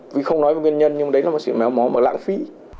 vì không nói với nguyên nhân nhưng đấy là một sự méo mó mà lãng phí